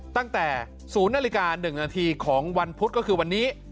ตั้งแต่๐นาฬิกา๑นาทีของวันพุธก็คือวันนี้